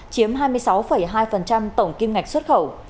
chiếm hai mươi sáu hai tổng kim ngạch xuất khẩu